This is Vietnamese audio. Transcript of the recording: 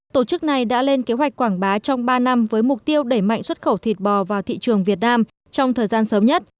tổ chức này đã lên kế hoạch quảng bá trong ba năm với mục tiêu đẩy mạnh xuất khẩu thịt bò vào thị trường việt nam trong thời gian sớm nhất